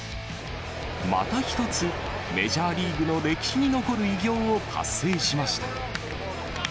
またひとつ、メジャーリーグの歴史に残る偉業を達成しました。